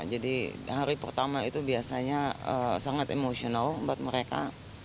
jadi hari pertama itu biasanya sangat emosional buat mereka